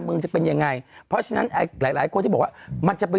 เมืองจะเป็นยังไงเพราะฉะนั้นหลายหลายคนที่บอกว่ามันจะไป